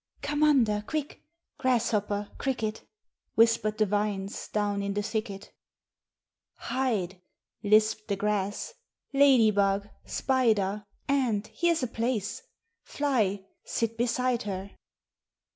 "Come under quick, Grasshopper, cricket!" Whispered the vines Down in the thicket. "Hide," lisped the grass, "Lady bug, spider; Ant, here's a place; Fly, sit beside her."